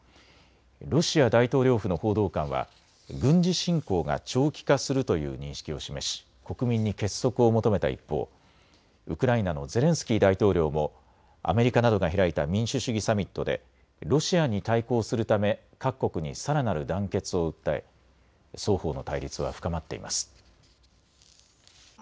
ロシア大統領府の報道官は軍事侵攻が長期化するという認識を示し国民に結束を求めた一方、ウクライナのゼレンスキー大統領もアメリカなどが開いた民主主義サミットでロシアに対抗するため各国にさらなる団結を訴え双方の対立は深まっています。